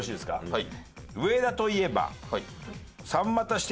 はい。